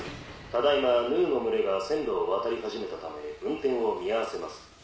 ただ今ヌーの群れが線路を渡り始めたため運転を見合わせます。